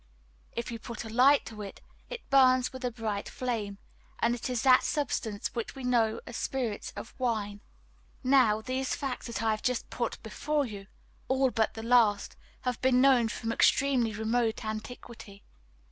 If you put a light to it, it burns with a bright flame, and it is that substance which we know as spirits of wine. Now these facts which I have just put before you all but the last have been known from extremely remote antiquity.